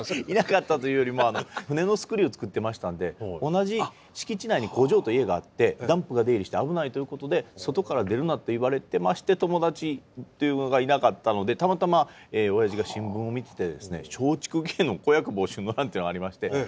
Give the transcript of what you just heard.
いなかったというよりも船のスクリュー作ってましたんで同じ敷地内に工場と家があってダンプが出入りして危ないということで外に出るなと言われてまして友達がいなかったのでたまたま親父が新聞を見ててですね松竹芸能子役募集の欄っていうのがありまして。